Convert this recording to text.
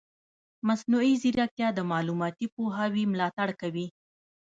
مصنوعي ځیرکتیا د معلوماتي پوهاوي ملاتړ کوي.